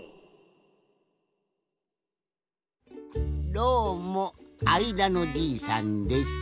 どうもあいだのじいさんです。